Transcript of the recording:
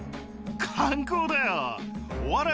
観光だよ。